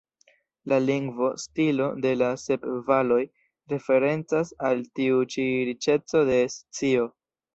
La lingvo-stilo de la "Sep Valoj" referencas al tiu ĉi riĉeco de scio.